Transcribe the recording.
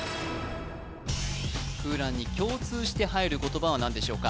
空欄に共通して入る言葉は何でしょうか？